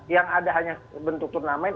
yang ada hanya bentuk turnamen